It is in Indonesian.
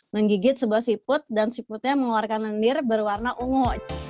menggigit sebuah siput dan siputnya mengeluarkan lendir berwarna ungu